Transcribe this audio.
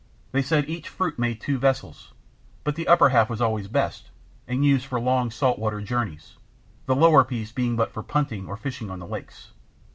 They said each fruit made two vessels, but the upper half was always best and used for long salt water journeys, the lower piece being but for punting or fishing on their lakes.